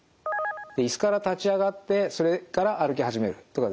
椅子から立ち上がってそれから歩き始めるとかですね